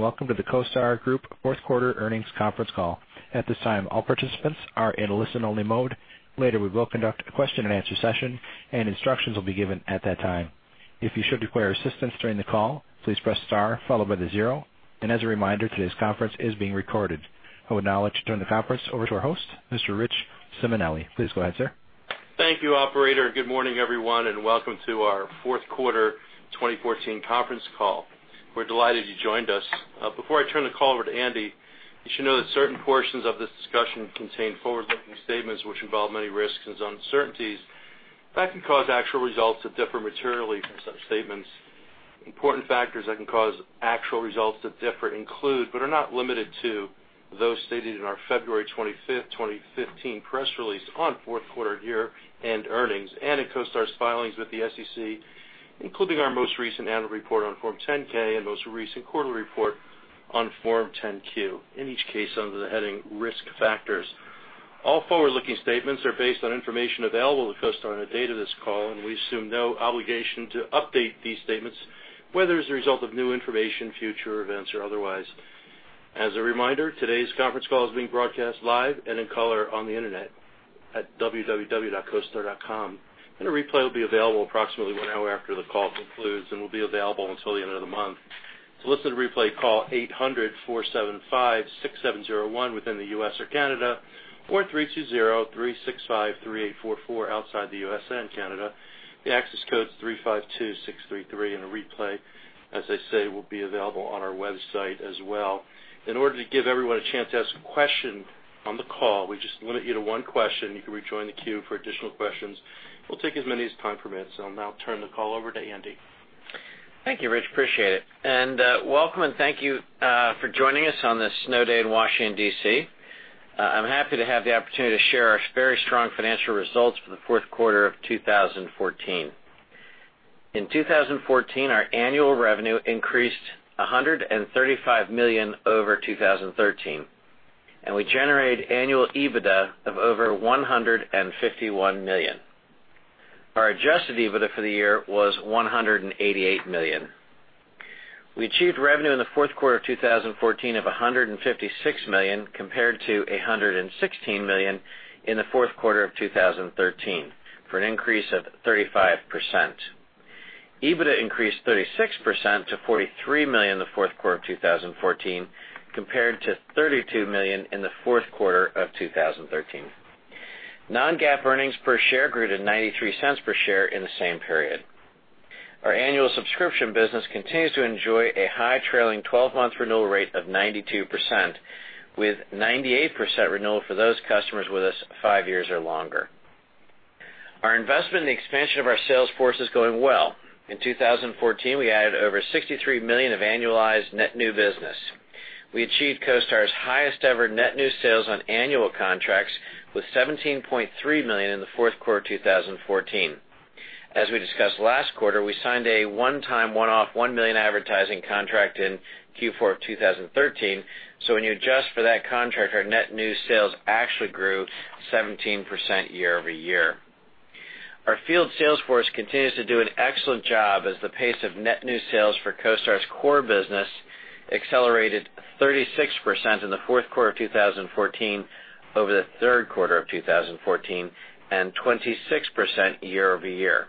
Welcome to the CoStar Group fourth quarter earnings conference call. At this time, all participants are in listen-only mode. Later, we will conduct a question-and-answer session, and instructions will be given at that time. If you should require assistance during the call, please press star followed by the zero. As a reminder, today's conference is being recorded. I would now like to turn the conference over to our host, Mr. Rich Simonelli. Please go ahead, sir. Thank you, operator. Good morning, everyone, and welcome to our fourth quarter 2014 conference call. We're delighted you joined us. Before I turn the call over to Andy, you should know that certain portions of this discussion contain forward-looking statements which involve many risks and uncertainties that can cause actual results to differ materially from such statements. Important factors that can cause actual results to differ include, but are not limited to, those stated in our February 25th, 2015 press release on fourth quarter year-end earnings and in CoStar's filings with the SEC, including our most recent annual report on Form 10-K and most recent quarterly report on Form 10-Q, in each case under the heading Risk Factors. All forward-looking statements are based on information available to CoStar on the date of this call. We assume no obligation to update these statements, whether as a result of new information, future events, or otherwise. As a reminder, today's conference call is being broadcast live and in color on the internet at www.costar.com. A replay will be available approximately one hour after the call concludes and will be available until the end of the month. To listen to the replay, call 800-475-6701 within the U.S. or Canada, or 320-365-3844 outside the U.S. and Canada. The access code is 352633. A replay, as I say, will be available on our website as well. In order to give everyone a chance to ask a question on the call, we just limit you to one question. You can rejoin the queue for additional questions. We'll take as many as time permits. I'll now turn the call over to Andy. Thank you, Rich. Appreciate it. Welcome, and thank you for joining us on this snow day in Washington, D.C. I'm happy to have the opportunity to share our very strong financial results for the fourth quarter of 2014. In 2014, our annual revenue increased $135 million over 2013, and we generated annual EBITDA of over $151 million. Our adjusted EBITDA for the year was $188 million. We achieved revenue in the fourth quarter of 2014 of $156 million, compared to $116 million in the fourth quarter of 2013, for an increase of 35%. EBITDA increased 36% to $43 million in the fourth quarter of 2014, compared to $32 million in the fourth quarter of 2013. Non-GAAP earnings per share grew to $0.93 per share in the same period. Our annual subscription business continues to enjoy a high trailing 12-month renewal rate of 92%, with 98% renewal for those customers with us five years or longer. Our investment in the expansion of our sales force is going well. In 2014, we added over $63 million of annualized net new business. We achieved CoStar's highest-ever net new sales on annual contracts, with $17.3 million in the fourth quarter of 2014. As we discussed last quarter, we signed a one-time, one-off, $1 million advertising contract in Q4 of 2013. When you adjust for that contract, our net new sales actually grew 17% year-over-year. Our field sales force continues to do an excellent job as the pace of net new sales for CoStar's core business accelerated 36% in the fourth quarter of 2014 over the third quarter of 2014, and 26% year-over-year.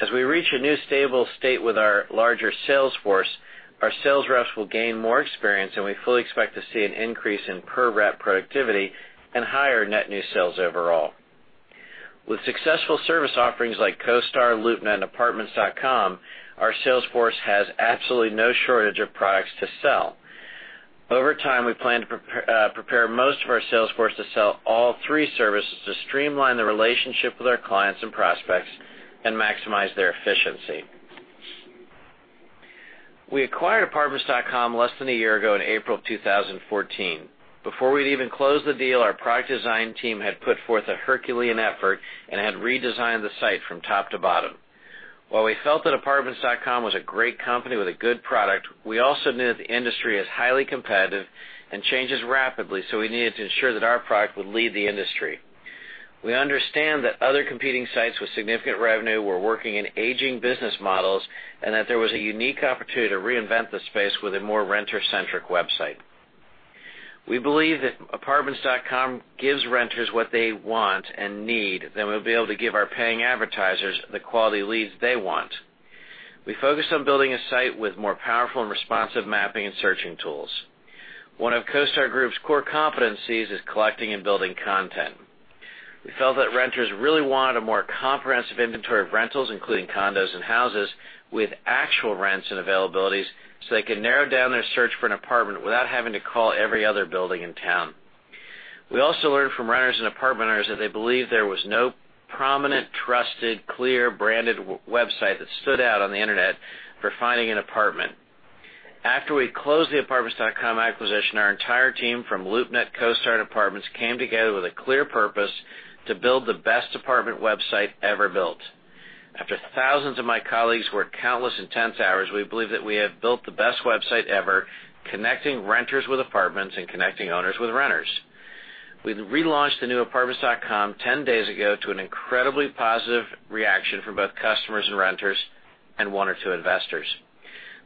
As we reach a new stable state with our larger sales force, our sales reps will gain more experience, and we fully expect to see an increase in per-rep productivity and higher net new sales overall. With successful service offerings like CoStar, LoopNet, and Apartments.com, our sales force has absolutely no shortage of products to sell. Over time, we plan to prepare most of our sales force to sell all three services to streamline the relationship with our clients and prospects and maximize their efficiency. We acquired Apartments.com less than a year ago in April of 2014. Before we'd even closed the deal, our product design team had put forth a Herculean effort and had redesigned the site from top to bottom. While we felt that Apartments.com was a great company with a good product, we also knew that the industry is highly competitive and changes rapidly, we needed to ensure that our product would lead the industry. We understand that other competing sites with significant revenue were working in aging business models and that there was a unique opportunity to reinvent the space with a more renter-centric website. We believe if Apartments.com gives renters what they want and need, then we'll be able to give our paying advertisers the quality leads they want. We focused on building a site with more powerful and responsive mapping and searching tools. One of CoStar Group's core competencies is collecting and building content. We felt that renters really wanted a more comprehensive inventory of rentals, including condos and houses, with actual rents and availabilities so they could narrow down their search for an apartment without having to call every other building in town. We also learned from renters and apartment owners that they believed there was no prominent, trusted, clear-branded website that stood out on the internet for finding an apartment. After we closed the Apartments.com acquisition, our entire team from LoopNet, CoStar, and Apartments came together with a clear purpose to build the best apartment website ever built. After thousands of my colleagues worked countless intense hours, we believe that we have built the best website ever, connecting renters with apartments and connecting owners with renters. We relaunched the new Apartments.com 10 days ago to an incredibly positive reaction from both customers and renters, and one or two investors.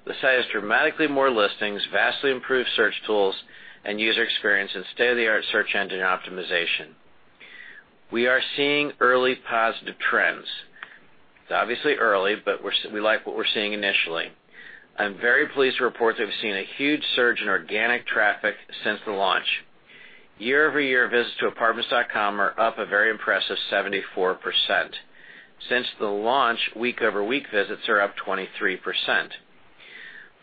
The site has dramatically more listings, vastly improved search tools and user experience, and state-of-the-art search engine optimization. We are seeing early positive trends. It's obviously early, but we like what we're seeing initially. I'm very pleased to report that we've seen a huge surge in organic traffic since the launch. Year-over-year visits to Apartments.com are up a very impressive 74%. Since the launch, week-over-week visits are up 23%.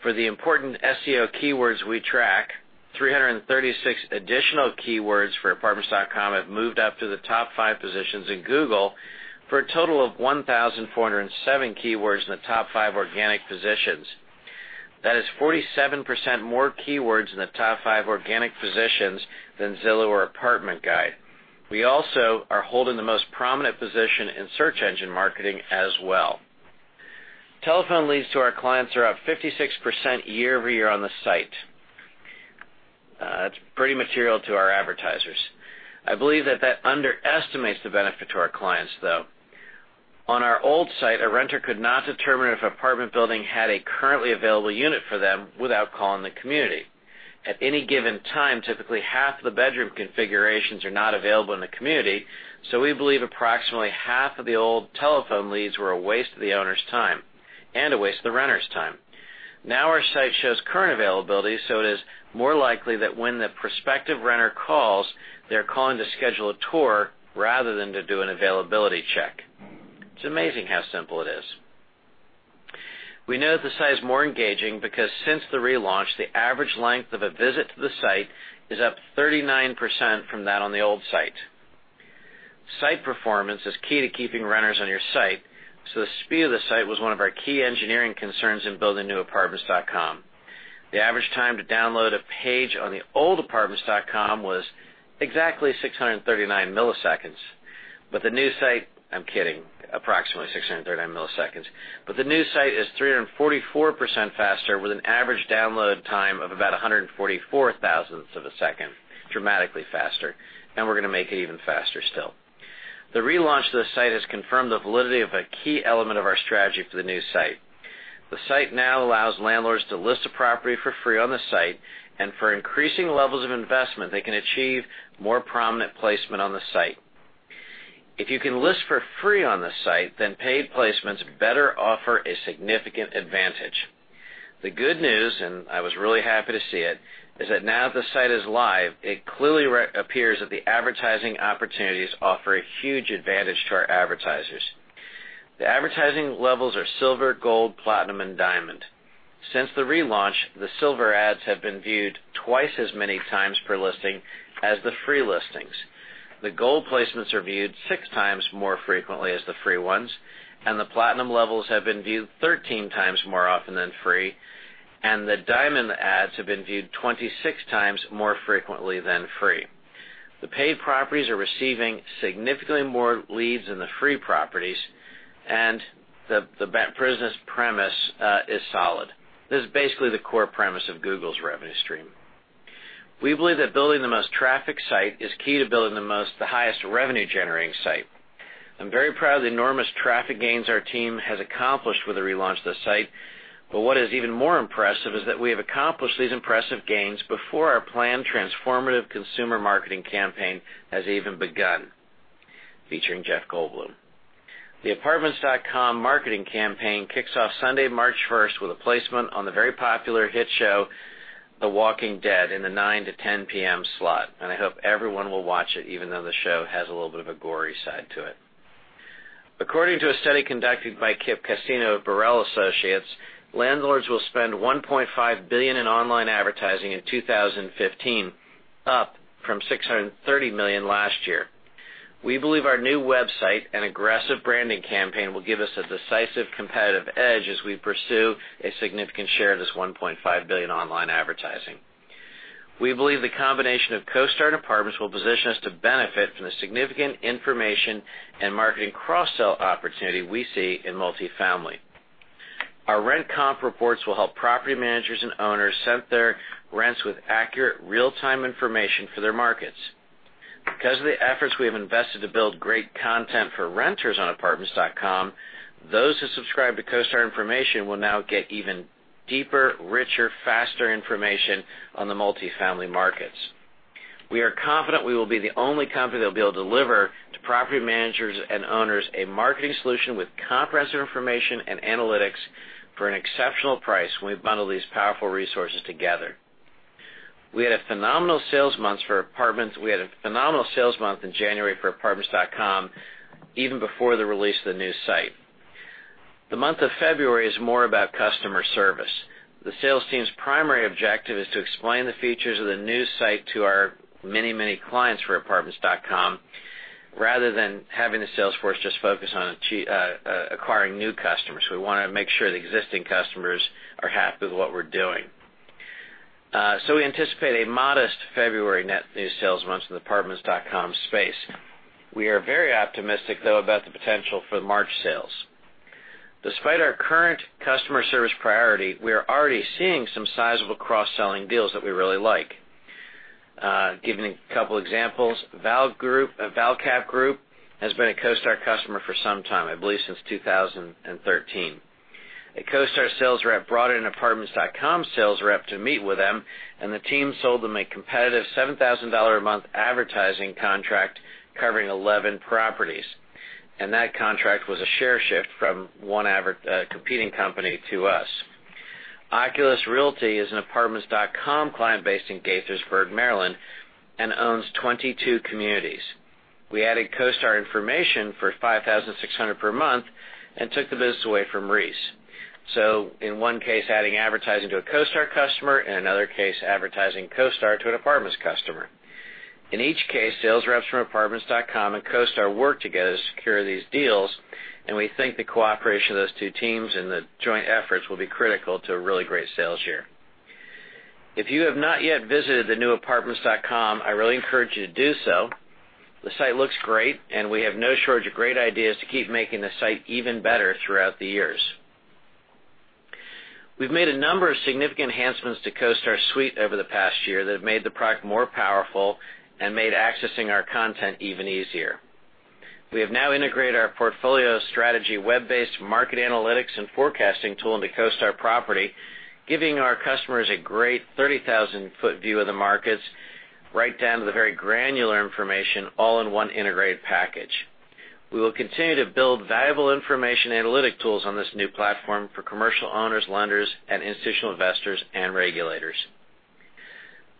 For the important SEO keywords we track, 336 additional keywords forApartments.com have moved up to the top five positions in Google for a total of 1,407 keywords in the top five organic positions. That is 47% more keywords in the top five organic positions than Zillow or Apartment Guide. We also are holding the most prominent position in search engine marketing as well. Telephone leads to our clients are up 56% year-over-year on the site. That's pretty material to our advertisers. I believe that underestimates the benefit to our clients, though. On our old site, a renter could not determine if an apartment building had a currently available unit for them without calling the community. At any given time, typically half the bedroom configurations are not available in the community, so we believe approximately half of the old telephone leads were a waste of the owner's time and a waste of the renter's time. Now our site shows current availability, so it is more likely that when the prospective renter calls, they're calling to schedule a tour rather than to do an availability check. It's amazing how simple it is. We know that the site is more engaging, because since the relaunch, the average length of a visit to the site is up 39% from that on the old site. Site performance is key to keeping renters on your site, so the speed of the site was one of our key engineering concerns in building new Apartments.com. The average time to download a page on the old Apartments.com was exactly 639 milliseconds. I'm kidding, approximately 639 milliseconds. The new site is 344% faster, with an average download time of about 144 thousandths of a second. Dramatically faster. We're going to make it even faster still. The relaunch of the site has confirmed the validity of a key element of our strategy for the new site. The site now allows landlords to list a property for free on the site, and for increasing levels of investment, they can achieve more prominent placement on the site. If you can list for free on the site, paid placements better offer a significant advantage. The good news, and I was really happy to see it, is that now that the site is live, it clearly appears that the advertising opportunities offer a huge advantage to our advertisers. The advertising levels are silver, gold, platinum, and diamond. Since the relaunch, the silver ads have been viewed twice as many times per listing as the free listings. The gold placements are viewed six times more frequently as the free ones, and the platinum levels have been viewed 13 times more often than free, and the diamond ads have been viewed 26 times more frequently than free. The paid properties are receiving significantly more leads than the free properties, and the business premise is solid. This is basically the core premise of Google's revenue stream. We believe that building the most trafficked site is key to building the highest revenue-generating site. I'm very proud of the enormous traffic gains our team has accomplished with the relaunch of the site, but what is even more impressive is that we have accomplished these impressive gains before our planned transformative consumer marketing campaign has even begun, featuring Jeff Goldblum. The Apartments.com marketing campaign kicks off Sunday, March 1st with a placement on the very popular hit show "The Walking Dead" in the 9:00 to 10:00 P.M. slot, and I hope everyone will watch it, even though the show has a little bit of a gory side to it. According to a study conducted by Kip Cassino of Borrell Associates, landlords will spend $1.5 billion in online advertising in 2015, up from $630 million last year. We believe our new website and aggressive branding campaign will give us a decisive competitive edge as we pursue a significant share of this $1.5 billion online advertising. We believe the combination of CoStar and Apartments will position us to benefit from the significant information and marketing cross-sell opportunity we see in multifamily. Our rent comp reports will help property managers and owners set their rents with accurate, real-time information for their markets. Because of the efforts we have invested to build great content for renters on Apartments.com, those who subscribe to CoStar information will now get even deeper, richer, faster information on the multifamily markets. We are confident we will be the only company that will be able to deliver to property managers and owners a marketing solution with comprehensive information and analytics for an exceptional price when we bundle these powerful resources together. We had a phenomenal sales month in January for Apartments.com, even before the release of the new site. The month of February is more about customer service. The sales team's primary objective is to explain the features of the new site to our many clients for Apartments.com, rather than having the sales force just focus on acquiring new customers. We want to make sure the existing customers are happy with what we're doing. We anticipate a modest February net new sales month in the Apartments.com space. We are very optimistic, though, about the potential for the March sales. Despite our current customer service priority, we are already seeing some sizable cross-selling deals that we really like. Giving a couple examples, ValCap Group has been a CoStar customer for some time, I believe since 2013. A CoStar sales rep brought in Apartments.com sales rep to meet with them, and the team sold them a competitive $7,000 a month advertising contract covering 11 properties. That contract was a share shift from one competing company to us. Oculus Realty is an Apartments.com client based in Gaithersburg, Maryland, and owns 22 communities. We added CoStar information for $5,600 per month and took the business away from Reis. In one case, adding advertising to a CoStar customer, and another case, advertising CoStar to an apartments customer. In each case, sales reps from Apartments.com and CoStar worked together to secure these deals, and we think the cooperation of those two teams and the joint efforts will be critical to a really great sales year. If you have not yet visited the new Apartments.com, I really encourage you to do so. The site looks great and we have no shortage of great ideas to keep making the site even better throughout the years. We've made a number of significant enhancements to CoStar Suite over the past year that have made the product more powerful and made accessing our content even easier. We have now integrated our CoStar Portfolio Strategy web-based market analytics and forecasting tool into CoStar Property, giving our customers a great 30,000-foot view of the markets, right down to the very granular information, all in one integrated package. We will continue to build valuable information analytic tools on this new platform for commercial owners, lenders, and institutional investors and regulators.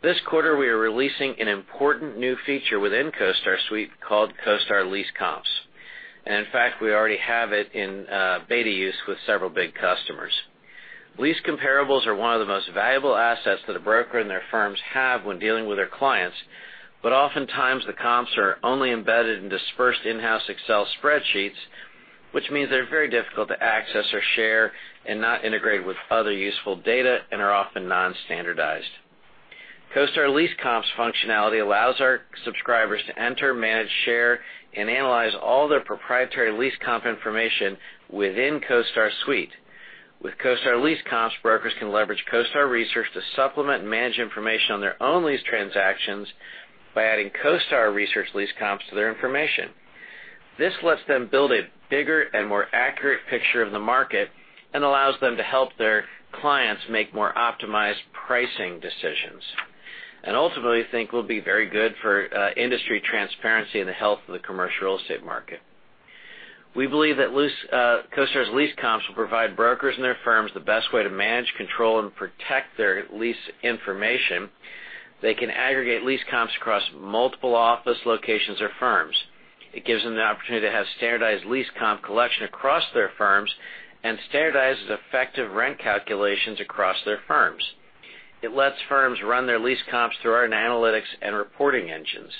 This quarter, we are releasing an important new feature within CoStar Suite called CoStar Lease Comps. In fact, we already have it in beta use with several big customers. Lease comparables are one of the most valuable assets that a broker and their firms have when dealing with their clients. Oftentimes the comps are only embedded in dispersed in-house Excel spreadsheets, which means they're very difficult to access or share and not integrated with other useful data and are often non-standardized. CoStar Lease Comps functionality allows our subscribers to enter, manage, share, and analyze all their proprietary lease comp information within CoStar Suite. With CoStar Lease Comps, brokers can leverage CoStar research to supplement and manage information on their own lease transactions by adding CoStar research lease comps to their information. This lets them build a bigger and more accurate picture of the market and allows them to help their clients make more optimized pricing decisions. Ultimately, think will be very good for industry transparency and the health of the commercial real estate market. We believe that CoStar's lease comps will provide brokers and their firms the best way to manage, control, and protect their lease information. They can aggregate lease comps across multiple office locations or firms. It gives them the opportunity to have standardized lease comp collection across their firms and standardizes effective rent calculations across their firms. It lets firms run their lease comps through our analytics and reporting engines.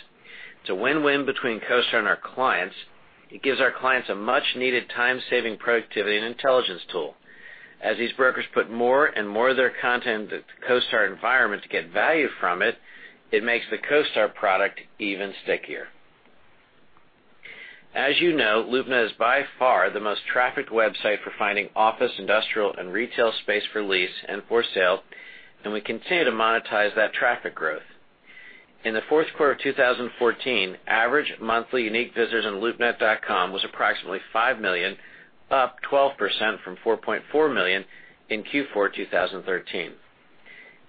It's a win-win between CoStar and our clients. It gives our clients a much-needed time-saving productivity and intelligence tool. As these brokers put more and more of their content into CoStar environment to get value from it makes the CoStar product even stickier. As you know, LoopNet is by far the most trafficked website for finding office, industrial, and retail space for lease and for sale. We continue to monetize that traffic growth. In the fourth quarter of 2014, average monthly unique visitors on loopnet.com was approximately 5 million, up 12% from 4.4 million in Q4 2013.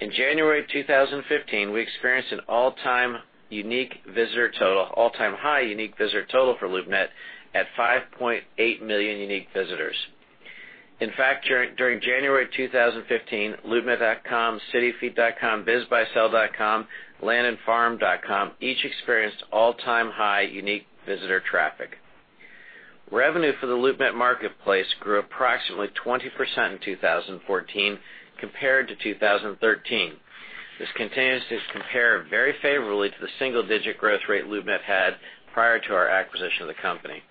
In January 2015, we experienced an all-time high unique visitor total for LoopNet at 5.8 million unique visitors. In fact, during January 2015, loopnet.com, cityfeet.com, bizbuysell.com, landandfarm.com each experienced all-time high unique visitor traffic. Revenue for the LoopNet marketplace grew approximately 20% in 2014 compared to 2013. This continues to compare very favorably to the single-digit growth rate LoopNet had prior to our acquisition of the company.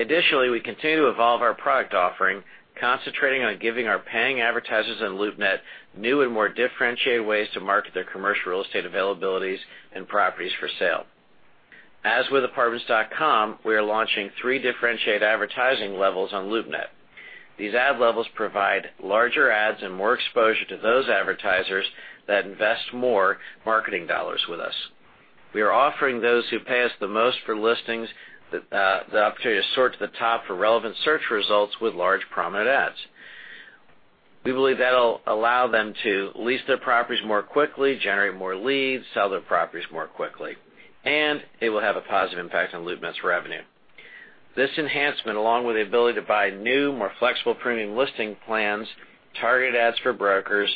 Additionally, we continue to evolve our product offering, concentrating on giving our paying advertisers on LoopNet new and more differentiated ways to market their commercial real estate availabilities and properties for sale. As with Apartments.com, we are launching three differentiated advertising levels on LoopNet. These ad levels provide larger ads and more exposure to those advertisers that invest more marketing dollars with us. We are offering those who pay us the most for listings, the opportunity to sort to the top for relevant search results with large, prominent ads. We believe that'll allow them to lease their properties more quickly, generate more leads, sell their properties more quickly, and it will have a positive impact on LoopNet's revenue. This enhancement, along with the ability to buy new, more flexible premium listing plans, targeted ads for brokers,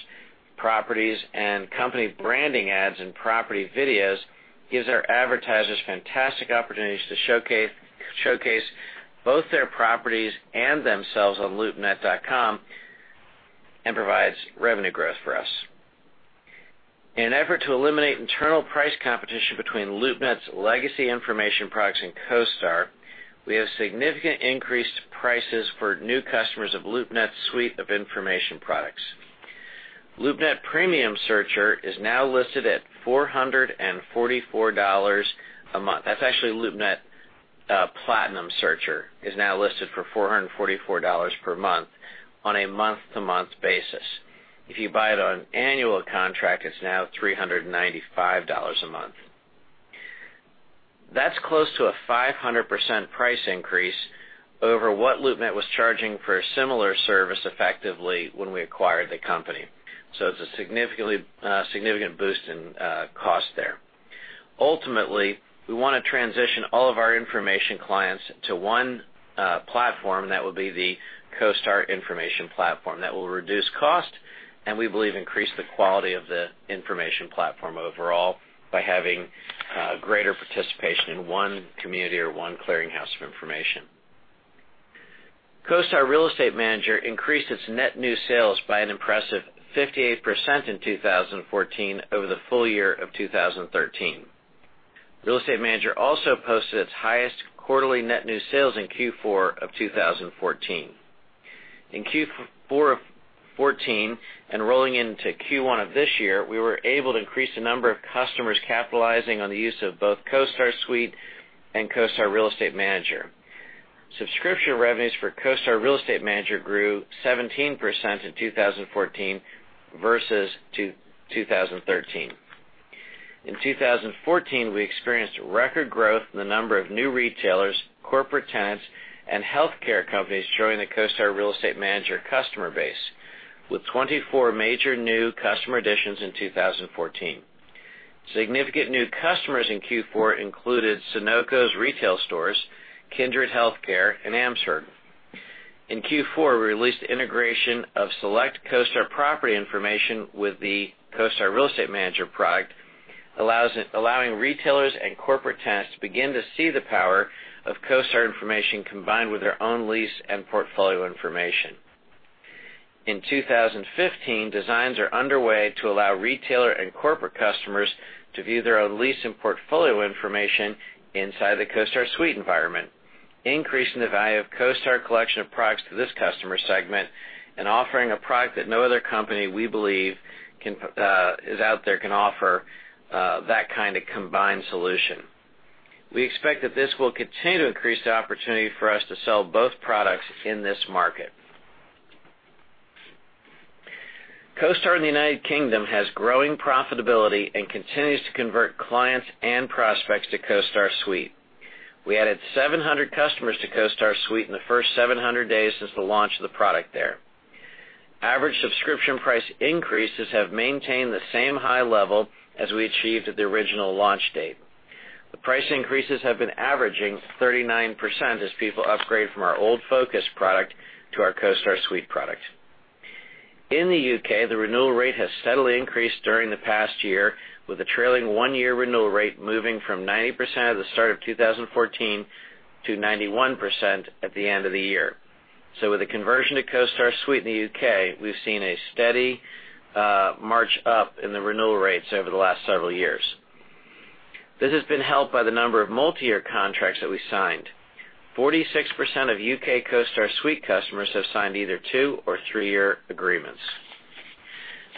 properties, and company branding ads and property videos, gives our advertisers fantastic opportunities to showcase both their properties and themselves on loopnet.com and provides revenue growth for us. In an effort to eliminate internal price competition between LoopNet's legacy information products and CoStar, we have significant increased prices for new customers of LoopNet's suite of information products. LoopNet Platinum Searcher is now listed at $444 a month. That's actually LoopNet Platinum Searcher is now listed for $444 per month on a month-to-month basis. If you buy it on an annual contract, it's now $395 a month. That's close to a 500% price increase over what LoopNet was charging for a similar service effectively when we acquired the company. So it's a significant boost in cost there. Ultimately, we want to transition all of our information clients to one platform, and that will be the CoStar information platform. That will reduce cost, and we believe increase the quality of the information platform overall by having greater participation in one community or one clearinghouse of information. CoStar Real Estate Manager increased its net new sales by an impressive 58% in 2014 over the full year of 2013. Real Estate Manager also posted its highest quarterly net new sales in Q4 of 2014. In Q4 of 2014 and rolling into Q1 of this year, we were able to increase the number of customers capitalizing on the use of both CoStar Suite and CoStar Real Estate Manager. Subscription revenues for CoStar Real Estate Manager grew 17% in 2014 versus 2013. In 2014, we experienced record growth in the number of new retailers, corporate tenants, and healthcare companies joining the CoStar Real Estate Manager customer base, with 24 major new customer additions in 2014. Significant new customers in Q4 included Sunoco's retail stores, Kindred Healthcare, and AMSURG. In Q4, we released integration of select CoStar property information with the CoStar Real Estate Manager product, allowing retailers and corporate tenants to begin to see the power of CoStar information combined with their own lease and portfolio information. In 2015, designs are underway to allow retailer and corporate customers to view their own lease and portfolio information inside the CoStar Suite environment, increasing the value of CoStar collection of products to this customer segment and offering a product that no other company, we believe, out there can offer that kind of combined solution. We expect that this will continue to increase the opportunity for us to sell both products in this market. CoStar in the U.K. has growing profitability and continues to convert clients and prospects to CoStar Suite. We added 700 customers to CoStar Suite in the first 700 days since the launch of the product there. Average subscription price increases have maintained the same high level as we achieved at the original launch date. The price increases have been averaging 39% as people upgrade from our old Focus product to our CoStar Suite product. In the U.K., the renewal rate has steadily increased during the past year, with a trailing one-year renewal rate moving from 90% at the start of 2014 to 91% at the end of the year. With the conversion to CoStar Suite in the U.K., we've seen a steady march up in the renewal rates over the last several years. This has been helped by the number of multiyear contracts that we signed. 46% of U.K. CoStar Suite customers have signed either two or three-year agreements.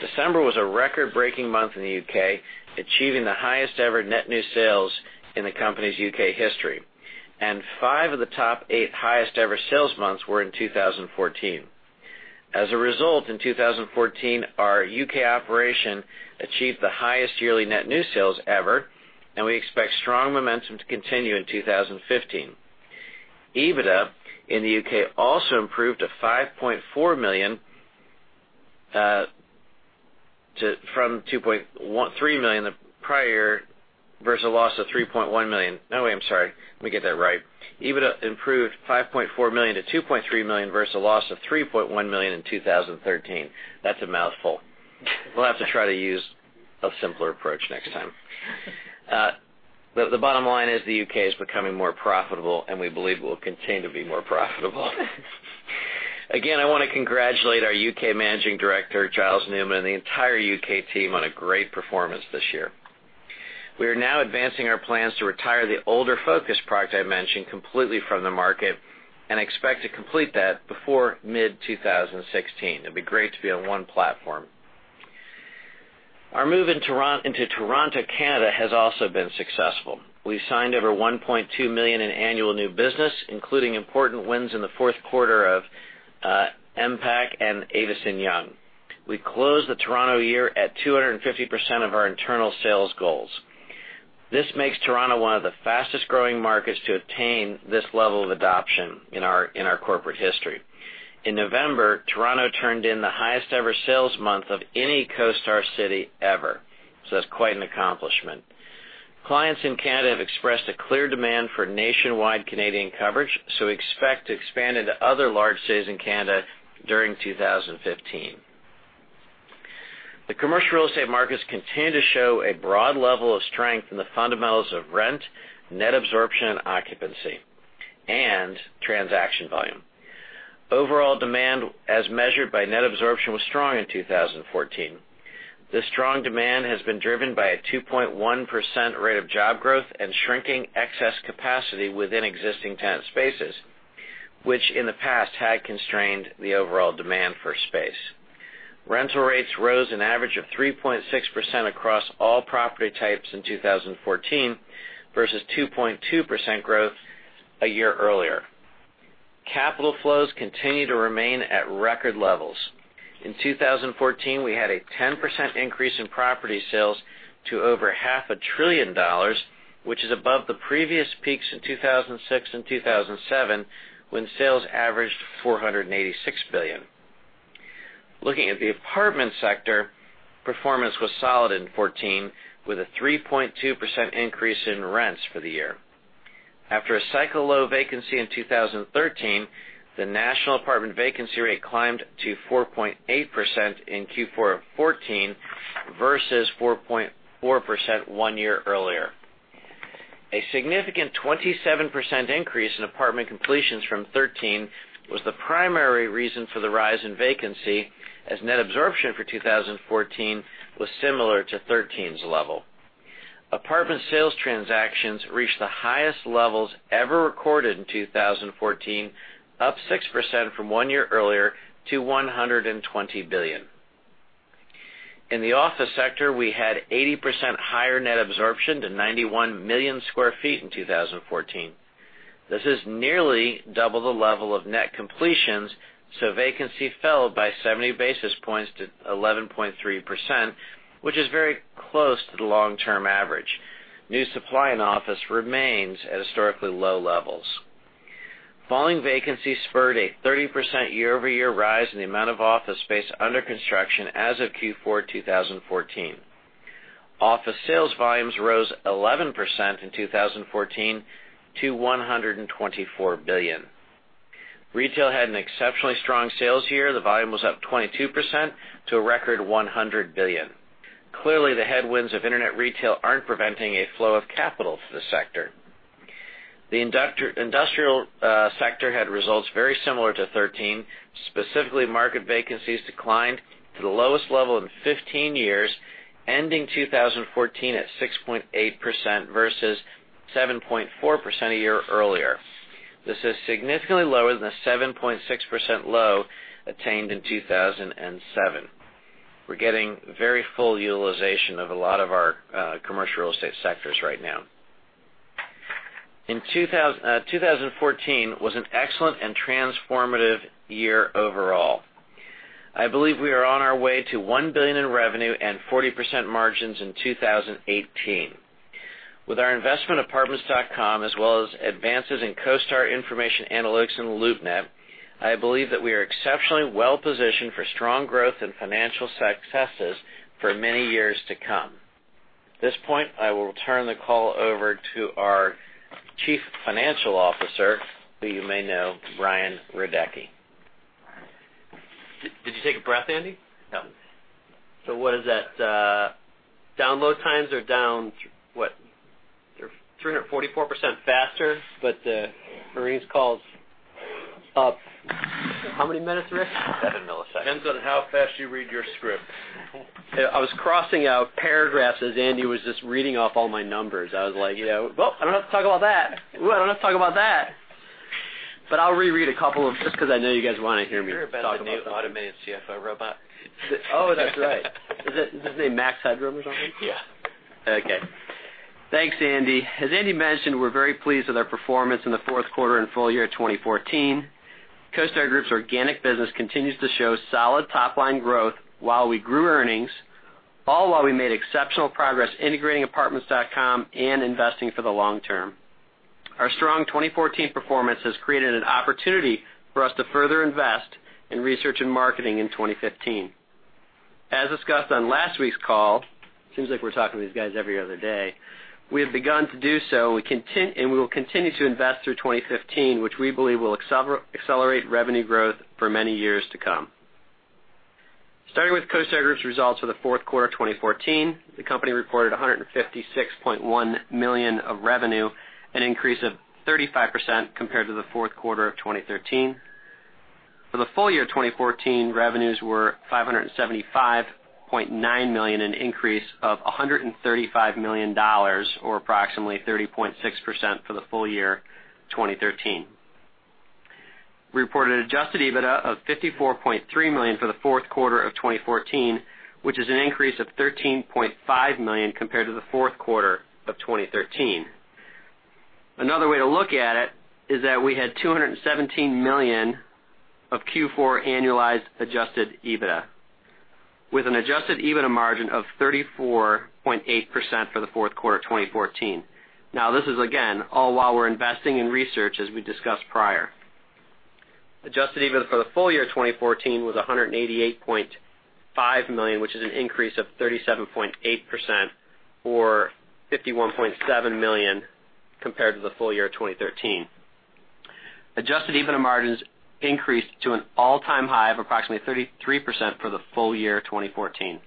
December was a record-breaking month in the U.K., achieving the highest-ever net new sales in the company's U.K. history, and five of the top eight highest-ever sales months were in 2014. As a result, in 2014, our U.K. operation achieved the highest yearly net new sales ever, and we expect strong momentum to continue in 2015. EBITDA in the U.K. also improved to $5.4 million from $2.3 million the prior, versus a loss of $3.1 million. No, wait, I'm sorry. Let me get that right. EBITDA improved $5.4 million to $2.3 million versus a loss of $3.1 million in 2013. That's a mouthful. We'll have to try to use a simpler approach next time. The bottom line is the U.K. is becoming more profitable, and we believe will continue to be more profitable. Again, I want to congratulate our U.K. Managing Director, Giles Newman, and the entire U.K. team on a great performance this year. We are now advancing our plans to retire the older Focus product I mentioned completely from the market, and expect to complete that before mid-2016. It'd be great to be on one platform. Our move into Toronto, Canada, has also been successful. We signed over $1.2 million in annual new business, including important wins in the fourth quarter of IMPAC and Avison Young. We closed the Toronto year at 250% of our internal sales goals. This makes Toronto one of the fastest-growing markets to obtain this level of adoption in our corporate history. In November, Toronto turned in the highest ever sales month of any CoStar city ever. That's quite an accomplishment. Clients in Canada have expressed a clear demand for nationwide Canadian coverage, we expect to expand into other large cities in Canada during 2015. The commercial real estate markets continue to show a broad level of strength in the fundamentals of rent, net absorption, and occupancy, and transaction volume. Overall demand as measured by net absorption was strong in 2014. This strong demand has been driven by a 2.1% rate of job growth and shrinking excess capacity within existing tenant spaces, which in the past had constrained the overall demand for space. Rental rates rose an average of 3.6% across all property types in 2014 versus 2.2% growth a year earlier. Capital flows continue to remain at record levels. In 2014, we had a 10% increase in property sales to over half a trillion dollars, which is above the previous peaks in 2006 and 2007, when sales averaged $486 billion. Looking at the apartment sector, performance was solid in 2014, with a 3.2% increase in rents for the year. After a cycle-low vacancy in 2013, the national apartment vacancy rate climbed to 4.8% in Q4 2014 versus 4.4% one year earlier. A significant 27% increase in apartment completions from 2013 was the primary reason for the rise in vacancy, as net absorption for 2014 was similar to 2013's level. Apartment sales transactions reached the highest levels ever recorded in 2014, up 6% from one year earlier to $120 billion. In the office sector, we had 80% higher net absorption to 91 million sq ft in 2014. This is nearly double the level of net completions. Vacancy fell by 70 basis points to 11.3%, which is very close to the long-term average. New supply in office remains at historically low levels. Falling vacancy spurred a 30% year-over-year rise in the amount of office space under construction as of Q4 2014. Office sales volumes rose 11% in 2014 to $124 billion. Retail had an exceptionally strong sales year. The volume was up 22% to a record $100 billion. Clearly, the headwinds of internet retail aren't preventing a flow of capital to the sector. The industrial sector had results very similar to 2013. Specifically, market vacancies declined to the lowest level in 15 years, ending 2014 at 6.8% versus 7.4% a year earlier. This is significantly lower than the 7.6% low attained in 2007. We're getting very full utilization of a lot of our commercial real estate sectors right now. 2014 was an excellent and transformative year overall. I believe we are on our way to $1 billion in revenue and 40% margins in 2018. With our investment Apartments.com, as well as advances in CoStar information analytics and LoopNet, I believe that we are exceptionally well-positioned for strong growth and financial successes for many years to come. At this point, I will turn the call over to our Chief Financial Officer, who you may know, Brian Radecki. Did you take a breath, Andy? No. What is that? Download times are down, what? They're 344% faster, the Marines call up How many minutes, Rich? Seven milliseconds. Depends on how fast you read your script. I was crossing out paragraphs as Andy was just reading off all my numbers. I was like, "Well, I don't have to talk about that. Well, I don't have to talk about that." I'll re-read a couple of, just because I know you guys want to hear me talk about that. Have you heard about the new automated CFO robot? Oh, that's right. Is his name Max Headroom or something? Yeah. Thanks, Andy. As Andy mentioned, we're very pleased with our performance in the fourth quarter and full year 2014. CoStar Group's organic business continues to show solid top-line growth while we grew earnings, all while we made exceptional progress integrating Apartments.com and investing for the long term. Our strong 2014 performance has created an opportunity for us to further invest in research and marketing in 2015. As discussed on last week's call, seems like we're talking to these guys every other day, we have begun to do so, and we will continue to invest through 2015, which we believe will accelerate revenue growth for many years to come. Starting with CoStar Group's results for the fourth quarter 2014, the company reported $156.1 million of revenue, an increase of 35% compared to the fourth quarter of 2013. For the full year 2014, revenues were $575.9 million, an increase of $135 million, or approximately 30.6% for the full year 2013. Reported adjusted EBITDA of $54.3 million for the fourth quarter of 2014, which is an increase of $13.5 million compared to the fourth quarter of 2013. Another way to look at it is that we had $217 million of Q4 annualized adjusted EBITDA with an adjusted EBITDA margin of 34.8% for the fourth quarter 2014. This is again, all while we're investing in research, as we discussed prior. Adjusted EBITDA for the full year 2014 was $188.5 million, which is an increase of 37.8%, or $51.7 million compared to the full year 2013. Adjusted EBITDA margins increased to an all-time high of approximately 33% for the full year 2014.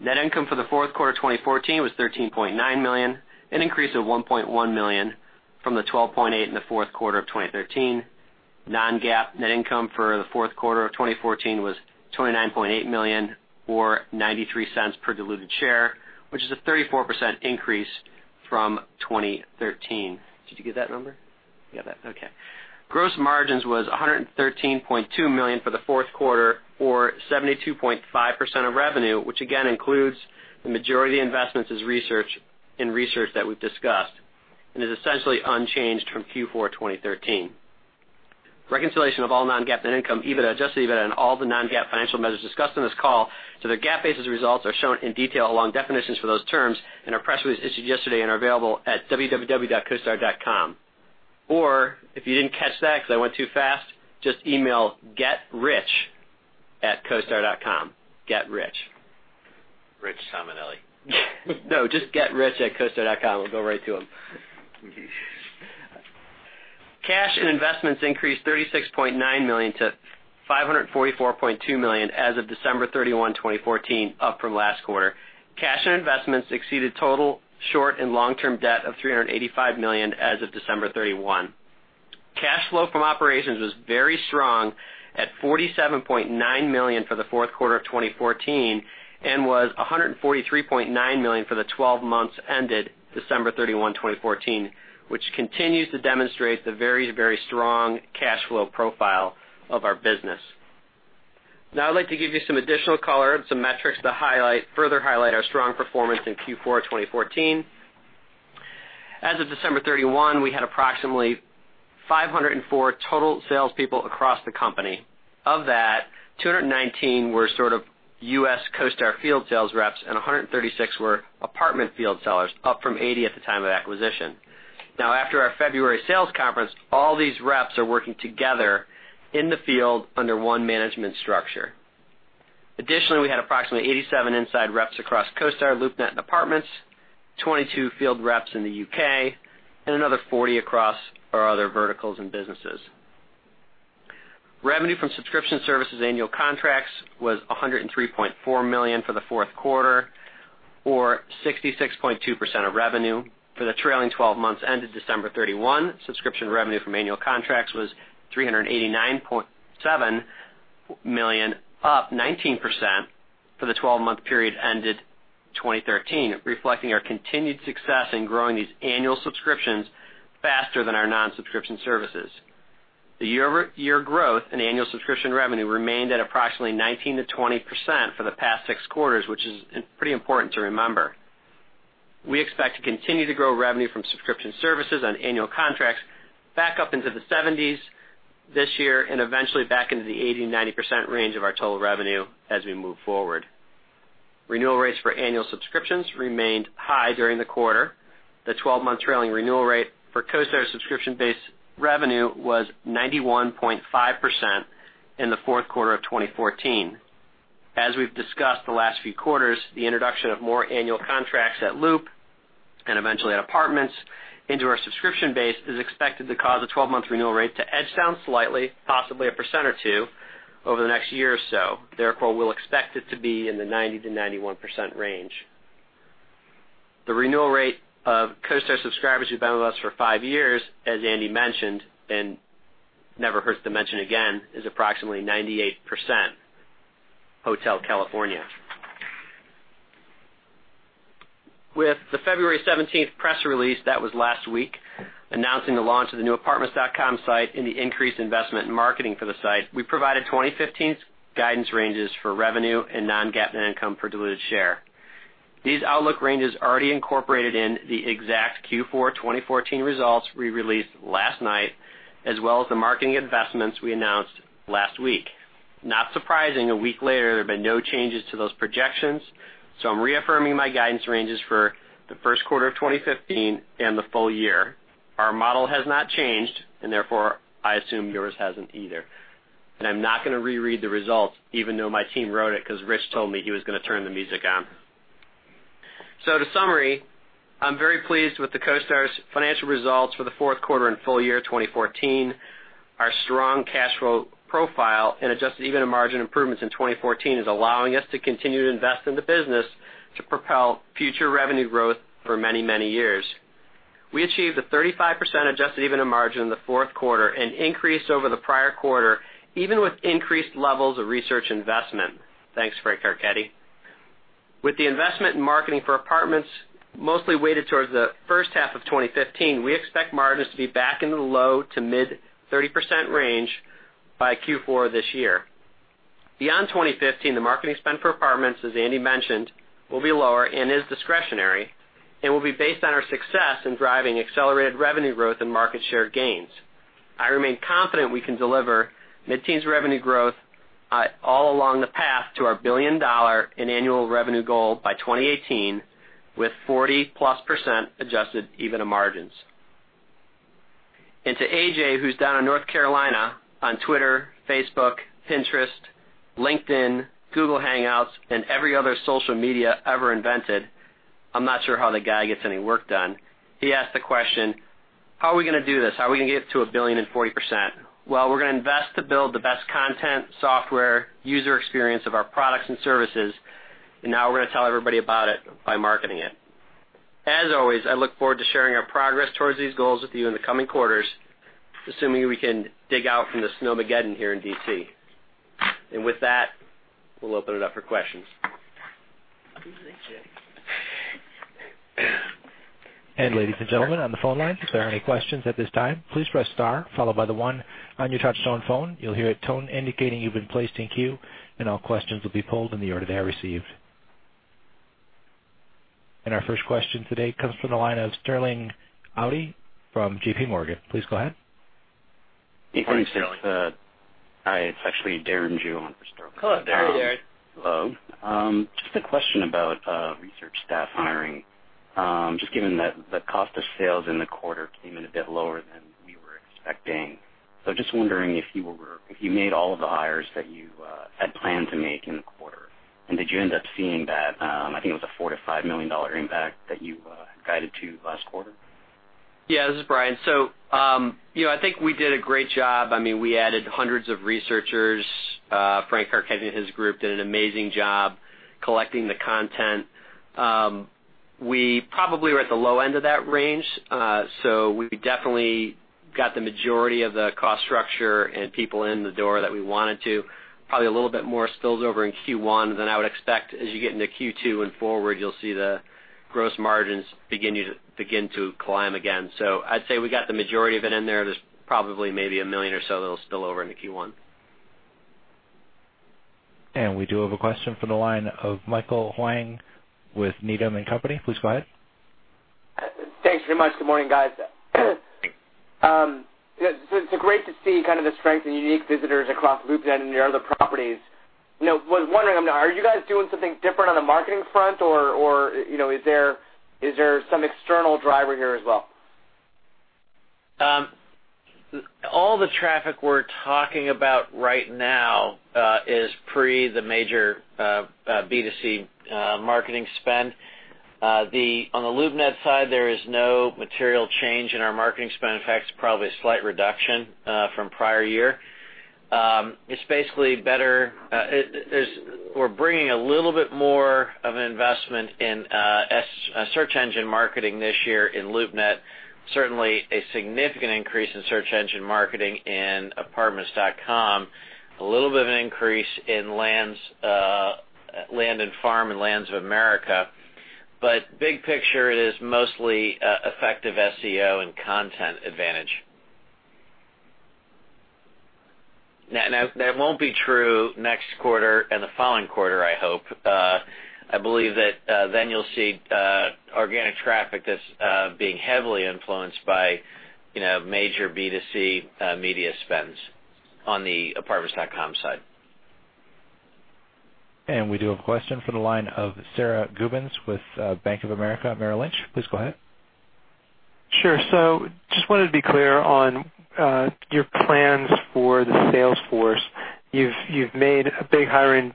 Net income for the fourth quarter 2014 was $13.9 million, an increase of $1.1 million from the $12.8 million in the fourth quarter of 2013. non-GAAP net income for the fourth quarter of 2014 was $29.8 million, or $0.93 per diluted share, which is a 34% increase from 2013. Did you get that number? You got that? Okay. Gross margins was $113.2 million for the fourth quarter, or 72.5% of revenue, which again includes the majority of the investments in research that we've discussed, and is essentially unchanged from Q4 2013. Reconciliation of all non-GAAP net income, EBITDA, adjusted EBITDA, and all the non-GAAP financial measures discussed on this call to their GAAP-based results are shown in detail along definitions for those terms in our press release issued yesterday and are available at www.costar.com. If you didn't catch that because I went too fast, just email getrich@costar.com. Get rich. Rich Simonelli. No, just getrich@costar.com. It'll go right to him. Cash and investments increased $36.9 million to $544.2 million as of December 31, 2014, up from last quarter. Cash and investments exceeded total short and long-term debt of $385 million as of December 31. Cash flow from operations was very strong at $47.9 million for the fourth quarter of 2014, and was $143.9 million for the 12 months ended December 31, 2014, which continues to demonstrate the very, very strong cash flow profile of our business. I'd like to give you some additional color, some metrics to further highlight our strong performance in Q4 2014. As of December 31, we had approximately 504 total salespeople across the company. Of that, 219 were sort of U.S. CoStar field sales reps, and 136 were apartment field sellers, up from 80 at the time of acquisition. After our February sales conference, all these reps are working together in the field under one management structure. Additionally, we had approximately 87 inside reps across CoStar, LoopNet, and Apartments, 22 field reps in the U.K., and another 40 across our other verticals and businesses. Revenue from subscription services annual contracts was $103.4 million for the fourth quarter, or 66.2% of revenue. For the trailing 12 months ended December 31, subscription revenue from annual contracts was $389.7 million, up 19% for the 12-month period ended 2013, reflecting our continued success in growing these annual subscriptions faster than our non-subscription services. The year-over-year growth in annual subscription revenue remained at approximately 19%-20% for the past six quarters, which is pretty important to remember. We expect to continue to grow revenue from subscription services on annual contracts back up into the 70s this year. Eventually back into the 80%, 90% range of our total revenue as we move forward. Renewal rates for annual subscriptions remained high during the quarter. The 12-month trailing renewal rate for CoStar subscription-based revenue was 91.5% in the fourth quarter of 2014. As we've discussed the last few quarters, the introduction of more annual contracts at Loop, and eventually at Apartments, into our subscription base is expected to cause a 12-month renewal rate to edge down slightly, possibly a percent or two, over the next year or so. Therefore, we'll expect it to be in the 90%-91% range. The renewal rate of CoStar subscribers who've been with us for five years, as Andy mentioned, and never hurts to mention again, is approximately 98%. Hotel California. With the February 17th press release, that was last week, announcing the launch of the new Apartments.com site and the increased investment in marketing for the site, we provided 2015's guidance ranges for revenue and non-GAAP net income for diluted share. These outlook ranges already incorporated in the exact Q4 2014 results we released last night, as well as the marketing investments we announced last week. Not surprising, a week later, there have been no changes to those projections. I'm reaffirming my guidance ranges for the first quarter of 2015 and the full year. Our model has not changed, and therefore, I assume yours hasn't either. I'm not going to reread the results, even though my team wrote it, because Rich told me he was going to turn the music on. To summary, I'm very pleased with CoStar's financial results for the fourth quarter and full year 2014. Our strong cash flow profile and adjusted EBITDA margin improvements in 2014 is allowing us to continue to invest in the business to propel future revenue growth for many, many years. We achieved a 35% adjusted EBITDA margin in the fourth quarter, an increase over the prior quarter, even with increased levels of research investment. Thanks, Frank Carcetti. With the investment in marketing for apartments mostly weighted towards the first half of 2015, we expect margins to be back in the low to mid 30% range by Q4 of this year. Beyond 2015, the marketing spend for apartments, as Andy mentioned, will be lower and is discretionary, and will be based on our success in driving accelerated revenue growth and market share gains. I remain confident we can deliver mid-teens revenue growth all along the path to our billion-dollar in annual revenue goal by 2018, with 40-plus % adjusted EBITDA margins. To AJ, who's down in North Carolina on Twitter, Facebook, Pinterest, LinkedIn, Google Hangouts, and every other social media ever invented, I'm not sure how the guy gets any work done. He asked the question, how are we going to do this? How are we going to get to $1 billion and 40%? We're going to invest to build the best content, software, user experience of our products and services. Now we're going to tell everybody about it by marketing it. As always, I look forward to sharing our progress towards these goals with you in the coming quarters, assuming we can dig out from the snowmageddon here in D.C. With that, we'll open it up for questions. Ladies and gentlemen on the phone lines, if there are any questions at this time, please press star followed by the one on your touchtone phone. You'll hear a tone indicating you've been placed in queue, all questions will be pulled in the order they are received. Our first question today comes from the line of Sterling Auty from JPMorgan. Please go ahead. Good morning, Sterling. Hi, it's actually Darren Jue on for Sterling. Hello, Darren. Hi, Darren. Hello. Just a question about research staff hiring. Just given that the cost of sales in the quarter came in a bit lower than we were expecting. Just wondering if you made all of the hires that you had planned to make in the quarter, and did you end up seeing that, I think it was a $4 million-$5 million impact that you guided to last quarter? Yeah, this is Brian. I think we did a great job. We added hundreds of researchers. Frank Carchedi and his group did an amazing job collecting the content. We probably were at the low end of that range. We definitely got the majority of the cost structure and people in the door that we wanted to. Probably a little bit more spills over in Q1 than I would expect. You'll see the gross margins begin to climb again. I'd say we got the majority of it in there. There's probably maybe $1 million or so that'll spill over into Q1. We do have a question from the line of Michael Huang with Needham & Company. Please go ahead. Thanks very much. Good morning, guys. It's great to see kind of the strength in unique visitors across LoopNet and your other properties. Was wondering, are you guys doing something different on the marketing front, or is there some external driver here as well? All the traffic we're talking about right now is pre the major B2C marketing spend. On the LoopNet side, there is no material change in our marketing spend. In fact, it's probably a slight reduction from prior year. We're bringing a little bit more of an investment in search engine marketing this year in LoopNet. Certainly, a significant increase in search engine marketing in Apartments.com. A little bit of an increase in Land and Farm and Lands of America. Big picture, it is mostly effective SEO and content advantage. Now, that won't be true next quarter and the following quarter, I hope. I believe that you'll see organic traffic that's being heavily influenced by major B2C media spends on the Apartments.com side. We do have a question for the line of Sara Gubins with Bank of America Merrill Lynch. Please go ahead. Sure. Just wanted to be clear on your plans for the sales force. You've made a big hiring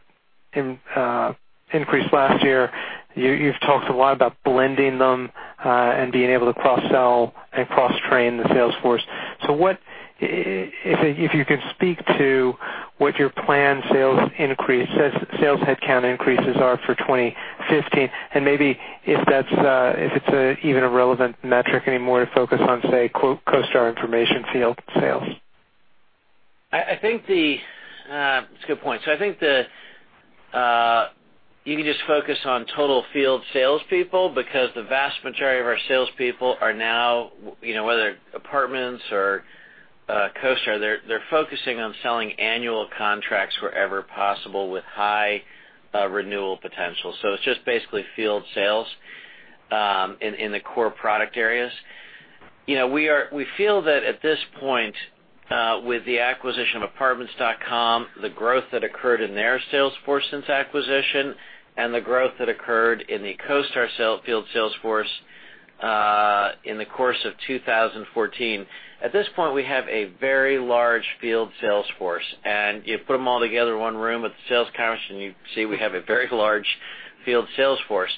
increase last year. You've talked a lot about blending them, and being able to cross-sell and cross-train the sales force. If you could speak to what your planned sales headcount increases are for 2015, and maybe if it's even a relevant metric anymore to focus on, say, CoStar information field sales. It's a good point. I think that you can just focus on total field salespeople because the vast majority of our salespeople are now, whether apartments or CoStar, they're focusing on selling annual contracts wherever possible with high renewal potential. It's just basically field sales, in the core product areas. We feel that at this point, with the acquisition of Apartments.com, the growth that occurred in their sales force since acquisition, and the growth that occurred in the CoStar field sales force, in the course of 2014. At this point, we have a very large field sales force, and you put them all together in one room at the sales conference, and you see we have a very large field sales force.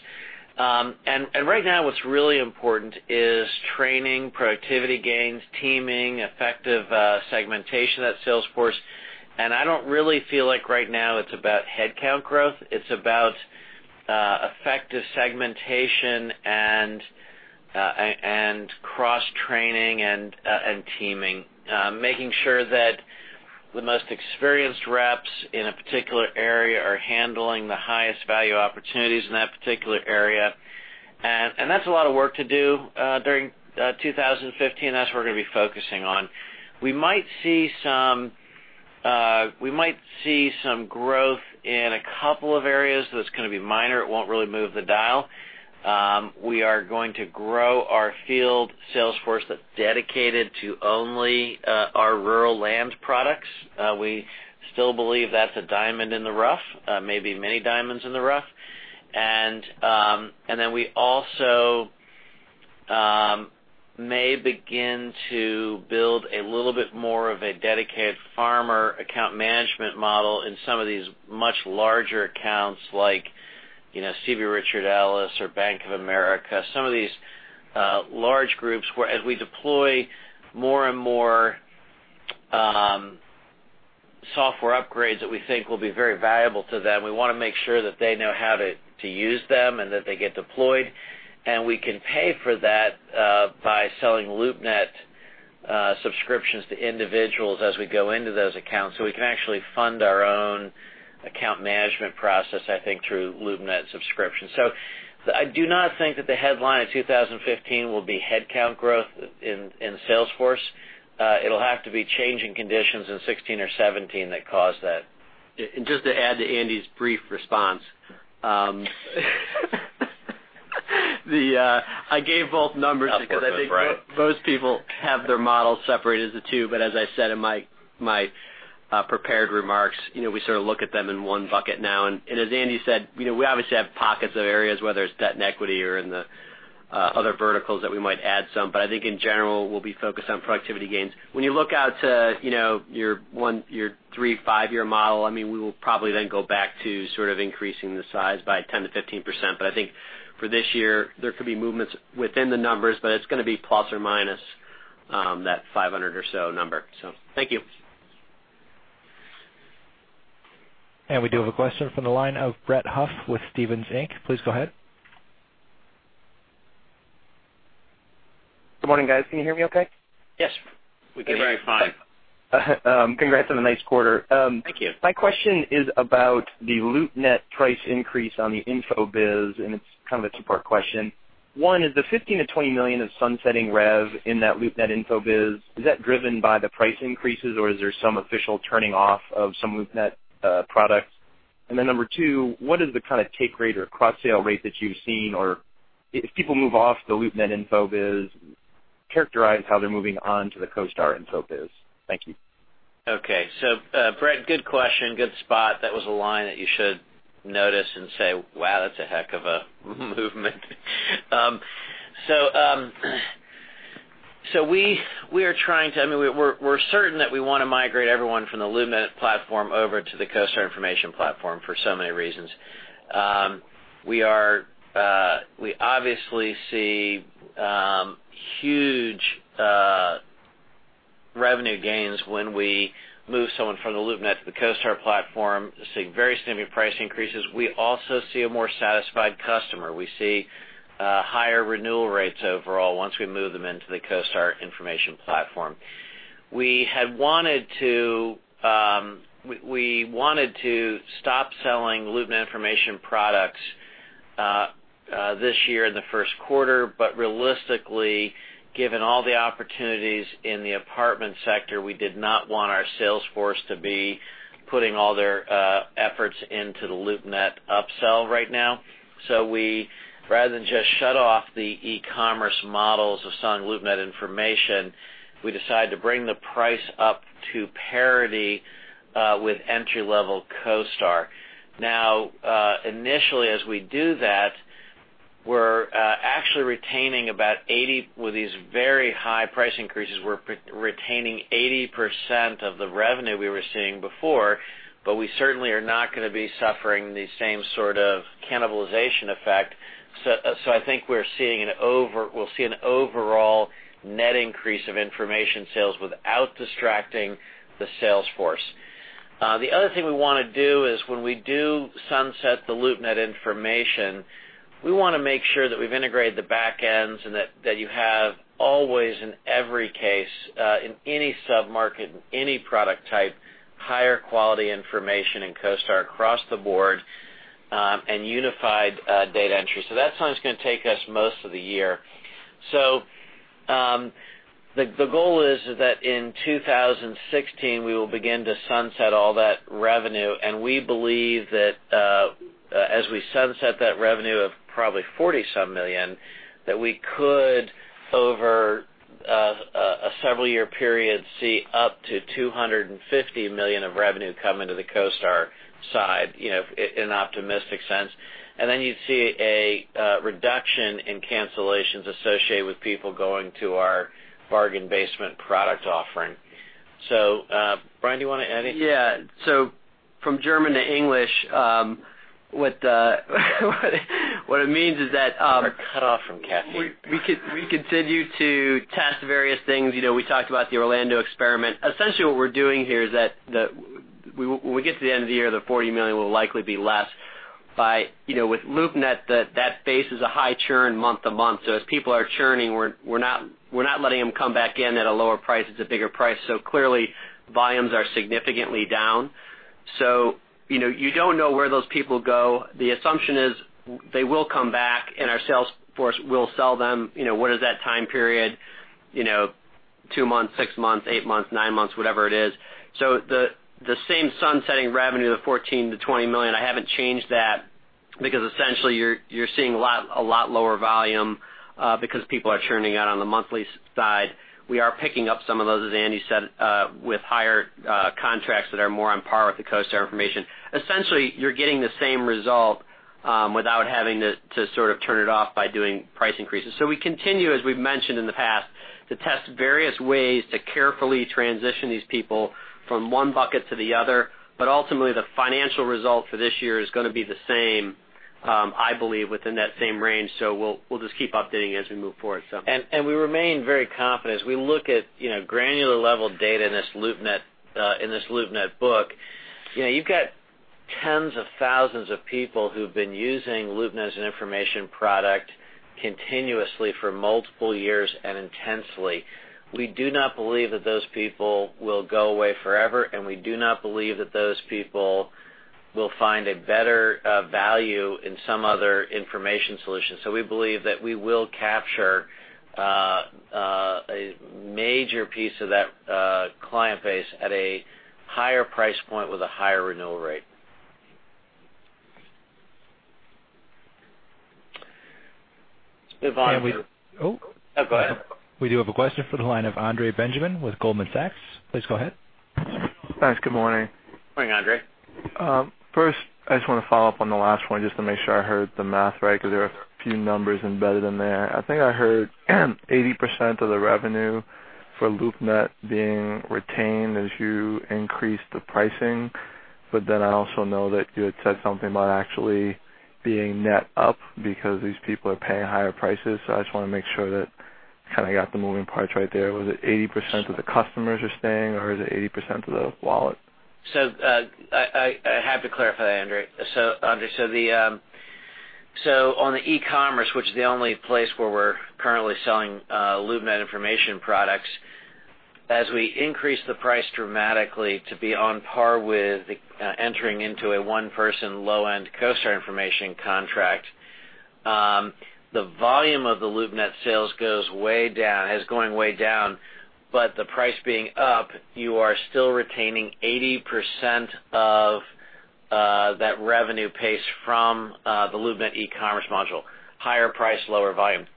Right now, what's really important is training, productivity gains, teaming, effective segmentation of that sales force. I don't really feel like right now it's about headcount growth. It's about effective segmentation and cross-training and teaming. Making sure that the most experienced reps in a particular area are handling the highest value opportunities in that particular area. That's a lot of work to do during 2015. That's what we're going to be focusing on. We might see some growth in a couple of areas, though it's going to be minor. It won't really move the dial. We are going to grow our field sales force that's dedicated to only our rural land products. We still believe that's a diamond in the rough, maybe many diamonds in the rough. Then we also may begin to build a little bit more of a dedicated farmer account management model in some of these much larger accounts like CB Richard Ellis or Bank of America. Some of these large groups where as we deploy more and more. software upgrades that we think will be very valuable to them. We want to make sure that they know how to use them and that they get deployed. We can pay for that by selling LoopNet subscriptions to individuals as we go into those accounts. We can actually fund our own account management process, I think, through LoopNet subscriptions. I do not think that the headline of 2015 will be headcount growth in the sales force. It'll have to be changing conditions in 2016 or 2017 that cause that. Just to add to Andy's brief response. I gave both numbers because I think most people have their models separated as the two. As I said in my prepared remarks, we sort of look at them in one bucket now. As Andy said, we obviously have pockets of areas, whether it's debt and equity or in the other verticals that we might add some. I think in general, we'll be focused on productivity gains. When you look out to your 3, 5-year model, we will probably then go back to sort of increasing the size by 10%-15%. I think for this year, there could be movements within the numbers, but it's going to be plus or minus that 500 or so number. Thank you. We do have a question from the line of Brett Huff with Stephens Inc. Please go ahead. Good morning, guys. Can you hear me okay? Yes. We can. Very fine. Congrats on a nice quarter. Thank you. My question is about the LoopNet price increase on the info biz. It's kind of a two-part question. One is the $15 million-$20 million of sunsetting rev in that LoopNet info biz, is that driven by the price increases or is there some official turning off of some LoopNet products? Number 2, what is the kind of take rate or cross-sale rate that you've seen or if people move off the LoopNet info biz, characterize how they're moving on to the CoStar info biz. Thank you. Brett, good question. Good spot. That was a line that you should notice and say, "Wow, that's a heck of a movement." We're certain that we want to migrate everyone from the LoopNet platform over to the CoStar information platform for so many reasons. We obviously see huge revenue gains when we move someone from the LoopNet to the CoStar platform, see very similar price increases. We also see a more satisfied customer. We see higher renewal rates overall once we move them into the CoStar information platform. We wanted to stop selling LoopNet information products this year in the first quarter, realistically, given all the opportunities in the apartment sector, we did not want our sales force to be putting all their efforts into the LoopNet upsell right now. We, rather than just shut off the e-commerce models of selling LoopNet information, we decided to bring the price up to parity with entry-level CoStar. Now, initially as we do that, with these very high price increases, we're retaining 80% of the revenue we were seeing before, we certainly are not going to be suffering the same sort of cannibalization effect. I think we'll see an overall net increase of information sales without distracting the sales force. The other thing we want to do is when we do sunset the LoopNet information, we want to make sure that we've integrated the back ends and that you have always, in every case, in any sub-market, in any product type, higher quality information in CoStar across the board, and unified data entry. That's something that's going to take us most of the year. The goal is that in 2016, we will begin to sunset all that revenue, we believe that as we sunset that revenue of probably $47 million, that we could, over a several year period, see up to $250 million of revenue come into the CoStar side, in an optimistic sense. Then you'd see a reduction in cancellations associated with people going to our bargain basement product offering. Brian, do you want to add anything? Yeah. From German to English, what it means is that. You are coming through choppy. We continue to test various things. We talked about the Orlando experiment. Essentially what we're doing here is that when we get to the end of the year, the $40 million will likely be less. With LoopNet, that base is a high churn month to month. As people are churning, we're not letting them come back in at a lower price. It's a bigger price. Clearly volumes are significantly down. You don't know where those people go. The assumption is they will come back, and our sales force will sell them. What is that time period? Two months, six months, eight months, nine months, whatever it is. The same sunsetting revenue of $14 million to $20 million, I haven't changed that because essentially you're seeing a lot lower volume because people are churning out on the monthly side. We are picking up some of those, as Andy said, with higher contracts that are more on par with the CoStar information. Essentially, you're getting the same result without having to sort of turn it off by doing price increases. We continue, as we've mentioned in the past, to test various ways to carefully transition these people from one bucket to the other. Ultimately, the financial result for this year is going to be the same I believe within that same range. We'll just keep updating as we move forward. We remain very confident as we look at granular level data in this LoopNet book. You've got tens of thousands of people who've been using LoopNet as an information product continuously for multiple years and intensely. We do not believe that those people will go away forever, and we do not believe that those people will find a better value in some other information solution. We believe that we will capture a major piece of that client base at a higher price point with a higher renewal rate. We have Andre. Oh, go ahead. We do have a question for the line of Andre Benjamin with Goldman Sachs. Please go ahead. Thanks. Good morning. Morning, Andre. First, I just want to follow up on the last one just to make sure I heard the math right, because there are a few numbers embedded in there. I think I heard 80% of the revenue for LoopNet being retained as you increased the pricing. I also know that you had said something about actually being net up because these people are paying higher prices. I just want to make sure that I got the moving parts right there. Was it 80% of the customers are staying, or is it 80% of the wallet? I have to clarify, Andre. On the e-commerce, which is the only place where we're currently selling LoopNet information products, as we increase the price dramatically to be on par with entering into a one-person low-end CoStar information contract, the volume of the LoopNet sales is going way down, but the price being up, you are still retaining 80% of that revenue pace from the LoopNet e-commerce module. Higher price, lower volume.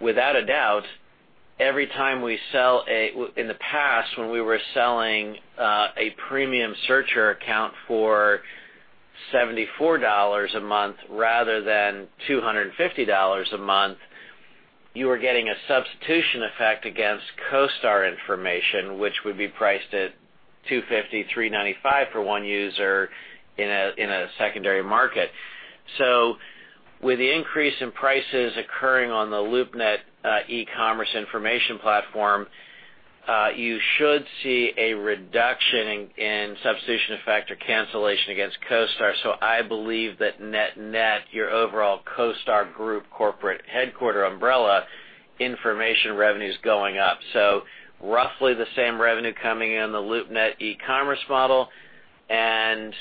Without a doubt, every time in the past, when we were selling a premium searcher account for $74 a month rather than $250 a month, you were getting a substitution effect against CoStar information, which would be priced at $250, $395 for one user in a secondary market. With the increase in prices occurring on the LoopNet e-commerce information platform, you should see a reduction in substitution effect or cancellation against CoStar. I believe that net-net, your overall CoStar Group corporate headquarter umbrella information revenue is going up. Roughly the same revenue coming in the LoopNet e-commerce model and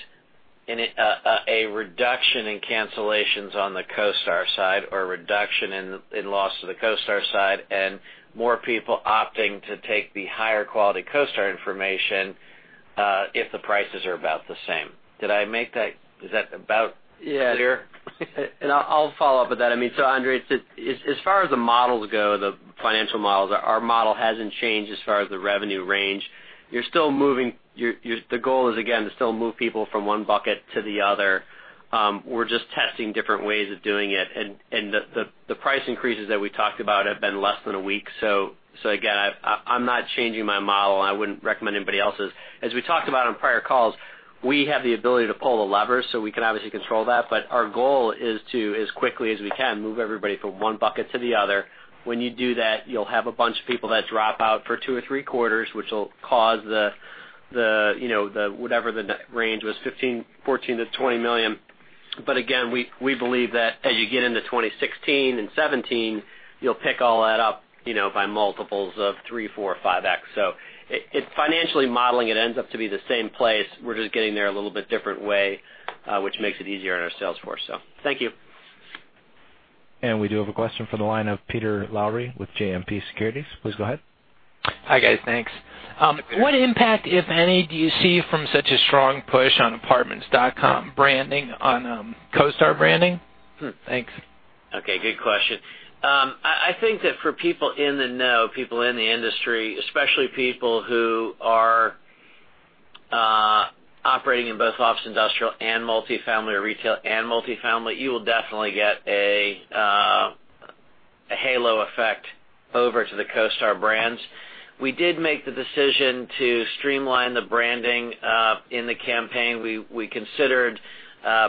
a reduction in cancellations on the CoStar side or a reduction in loss to the CoStar side and more people opting to take the higher quality CoStar information, if the prices are about the same. Is that about clear? Yeah. I'll follow up with that. Andre, as far as the models go, the financial models, our model hasn't changed as far as the revenue range. The goal is, again, to still move people from one bucket to the other. We're just testing different ways of doing it, and the price increases that we talked about have been less than a week. Again, I'm not changing my model. I wouldn't recommend anybody else's. As we talked about on prior calls, we have the ability to pull the lever, so we can obviously control that. But our goal is to, as quickly as we can, move everybody from one bucket to the other. When you do that, you'll have a bunch of people that drop out for 2 or 3 quarters, which will cause whatever the range was, $14 million-$20 million. Again, we believe that as you get into 2016 and 2017, you'll pick all that up by multiples of three, four, 5x. Financially modeling it ends up to be the same place. We're just getting there a little bit different way, which makes it easier on our sales force. Thank you. We do have a question from the line of Peter Lowry with JMP Securities. Please go ahead. Hi, guys. Thanks. What impact, if any, do you see from such a strong push on Apartments.com branding on CoStar branding? Thanks. Good question. I think that for people in the know, people in the industry, especially people who are operating in both ops industrial and multi-family retail and multi-family, you will definitely get a halo effect over to the CoStar brands. We did make the decision to streamline the branding in the campaign. We considered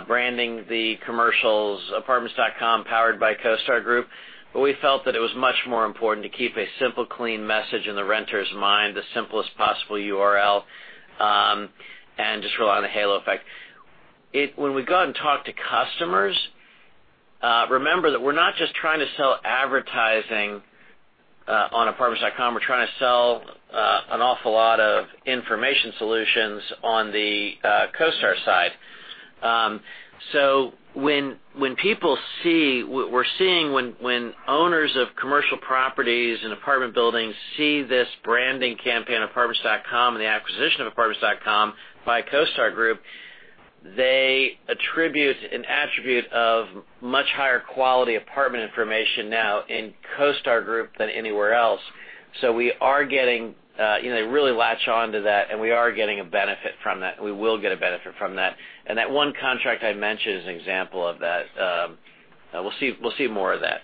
branding the commercials Apartments.com powered by CoStar Group, but we felt that it was much more important to keep a simple, clean message in the renter's mind, the simplest possible URL, and just rely on the halo effect. When we go out and talk to customers, remember that we're not just trying to sell advertising on Apartments.com. We're trying to sell an awful lot of information solutions on the CoStar side. We're seeing when owners of commercial properties and apartment buildings see this branding campaign, Apartments.com, and the acquisition of Apartments.com by CoStar Group, they attribute an attribute of much higher quality apartment information now in CoStar Group than anywhere else. They really latch on to that, and we are getting a benefit from that. We will get a benefit from that. That one contract I mentioned is an example of that. We'll see more of that.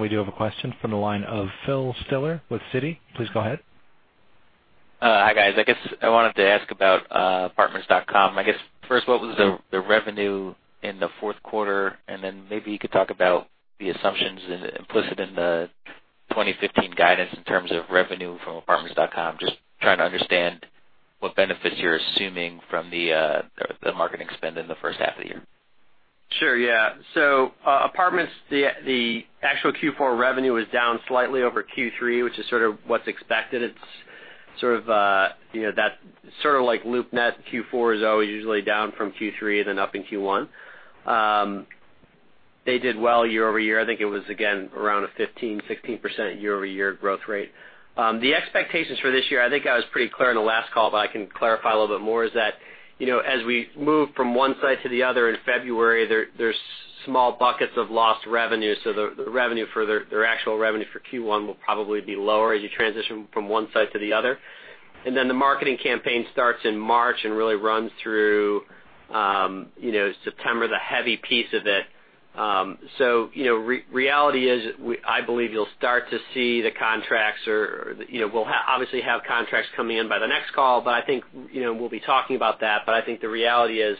We do have a question from the line of Phil Stiller with Citi. Please go ahead. Hi, guys. I wanted to ask about Apartments.com. First, what was the revenue in the fourth quarter? Then maybe you could talk about the assumptions implicit in the 2015 guidance in terms of revenue from Apartments.com. Just trying to understand what benefits you're assuming from the marketing spend in the first half of the year. Sure, yeah. Apartments, the actual Q4 revenue was down slightly over Q3, which is sort of what's expected. It's sort of like LoopNet, Q4 is always usually down from Q3, then up in Q1. They did well year-over-year. I think it was, again, around a 15%-16% year-over-year growth rate. The expectations for this year, I think I was pretty clear on the last call, but I can clarify a little bit more, is that as we move from one site to the other in February, there's small buckets of lost revenue, their actual revenue for Q1 will probably be lower as you transition from one site to the other. Then the marketing campaign starts in March and really runs through September, the heavy piece of it. Reality is, I believe you'll start to see the contracts or we'll obviously have contracts coming in by the next call, but I think we'll be talking about that. I think the reality is,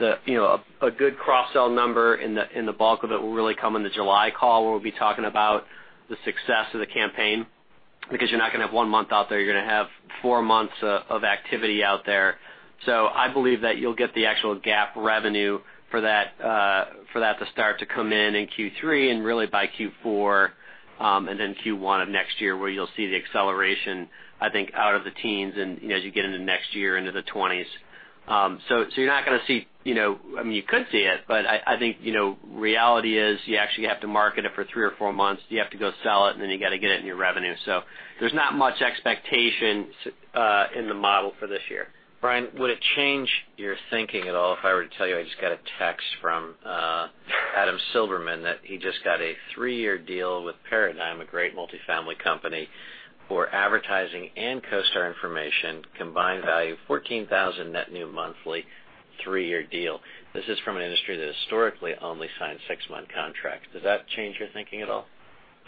a good cross-sell number in the bulk of it will really come in the July call, where we'll be talking about the success of the campaign, because you're not going to have one month out there. You're going to have four months of activity out there. I believe that you'll get the actual GAAP revenue for that to start to come in in Q3 and really by Q4, then Q1 of next year, where you'll see the acceleration, I think, out of the teens and as you get into next year into the 20s. You're not going to see You could see it, but I think reality is you actually have to market it for three or four months. You have to go sell it, and then you got to get it in your revenue. There's not much expectation in the model for this year. Brian, would it change your thinking at all if I were to tell you I just got a text from Adam Silverman that he just got a three-year deal with Paradigm, a great multifamily company, for advertising and CoStar information, combined value $14,000 net new monthly, three-year deal. This is from an industry that historically only signed six-month contracts. Does that change your thinking at all?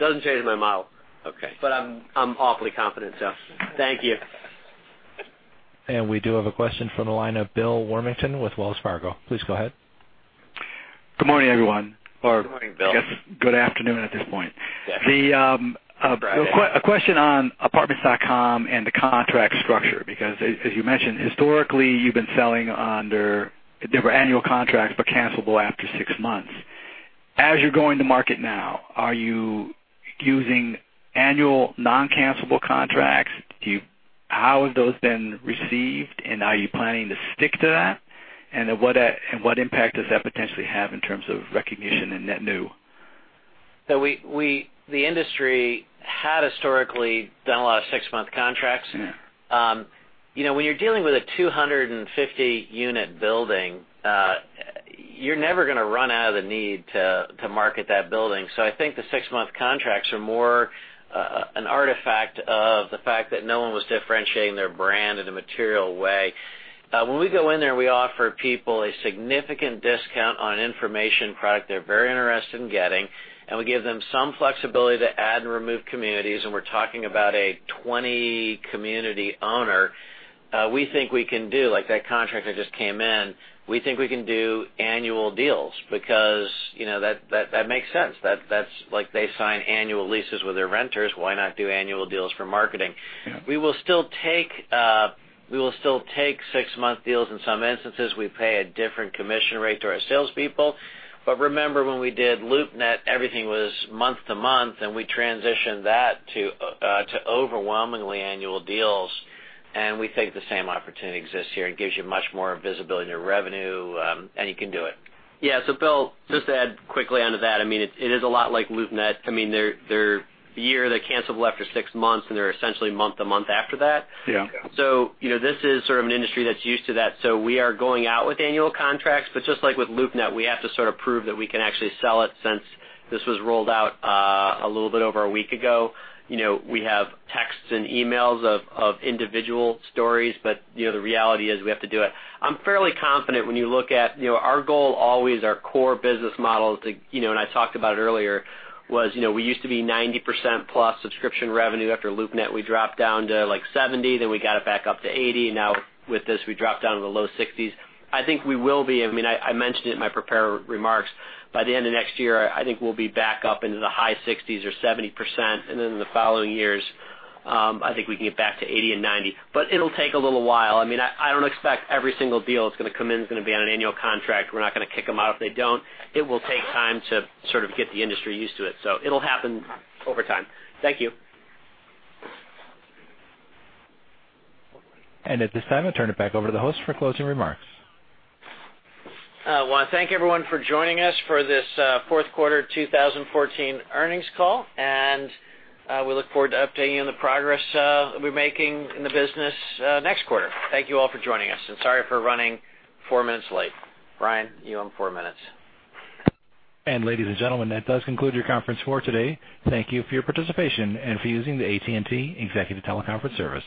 Doesn't change my model. Okay. I'm awfully confident, so thank you. We do have a question from the line of Bill Warmington with Wells Fargo. Please go ahead. Good morning, everyone. Good morning, Bill. I guess good afternoon at this point. Yeah. It's Friday. A question on Apartments.com and the contract structure, because as you mentioned, historically, you've been selling under different annual contracts, but cancelable after six months. As you're going to market now, are you using annual non-cancelable contracts? How have those been received, and are you planning to stick to that? What impact does that potentially have in terms of recognition in net new? The industry had historically done a lot of six-month contracts. Yeah. When you're dealing with a 250-unit building, you're never going to run out of the need to market that building. I think the six-month contracts are more an artifact of the fact that no one was differentiating their brand in a material way. When we go in there, we offer people a significant discount on an information product they're very interested in getting, and we give them some flexibility to add and remove communities, and we're talking about a 20-community owner. We think we can do, like that contract that just came in, we think we can do annual deals because that makes sense. They sign annual leases with their renters. Why not do annual deals for marketing? Yeah. We will still take six-month deals. In some instances, we pay a different commission rate to our salespeople. Remember when we did LoopNet, everything was month to month, and we transitioned that to overwhelmingly annual deals, we think the same opportunity exists here. It gives you much more visibility into revenue, you can do it. Yeah. Bill, just to add quickly onto that, it is a lot like LoopNet. They're year, they're cancelable after six months, and they're essentially month to month after that. Yeah. Yeah. This is sort of an industry that's used to that. We are going out with annual contracts, just like with LoopNet, we have to sort of prove that we can actually sell it since this was rolled out a little bit over a week ago. We have texts and emails of individual stories, the reality is we have to do it. I'm fairly confident when you look at Our goal always, our core business model, I talked about it earlier, was we used to be 90%-plus subscription revenue. After LoopNet, we dropped down to 70%, we got it back up to 80%, now with this, we dropped down to the low 60s. I mentioned it in my prepared remarks, by the end of next year, I think we'll be back up into the high 60s or 70%, in the following years, I think we can get back to 80% and 90%. It'll take a little while. I don't expect every single deal that's going to come in is going to be on an annual contract. We're not going to kick them out if they don't. It will take time to sort of get the industry used to it. It'll happen over time. Thank you. At this time, I turn it back over to the host for closing remarks. I want to thank everyone for joining us for this fourth quarter 2014 earnings call. We look forward to updating you on the progress that we're making in the business next quarter. Thank you all for joining us, and sorry for running four minutes late. Brian, you own four minutes. Ladies and gentlemen, that does conclude your conference for today. Thank you for your participation and for using the AT&T Executive Teleconference service.